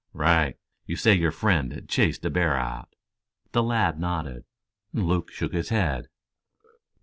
"Right. You say your friend chased a bear out!" The lad nodded. Luke shook his head.